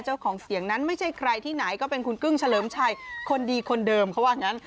เจ้าของเสียงนั้นไม่ใช่ใครที่ไหนก็เป็นคุณกึ้งเฉลิมชัยคนดีคนเดิมเขาว่างั้น